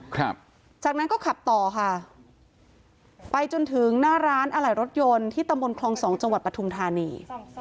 ครับจากนั้นก็ขับต่อค่ะไปจนถึงหน้าร้านอะไหล่รถยนต์ที่ตำบลคลองสองจังหวัดปทุมธานี